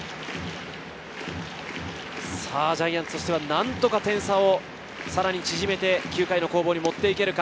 ジャイアンツとしては何とか点差をさらに縮めて９回の攻防にもっていけるか。